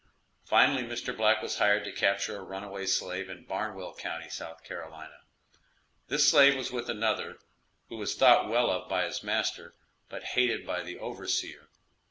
Finally Mr. Black was hired to capture a runaway slave in Barnwell County, S.C. This slave was with another, who was thought well of by his master, but hated by the overseer.